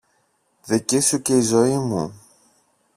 δική σου και η ζωή μου!